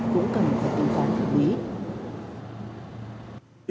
cũng cần phải tìm phóng hợp lý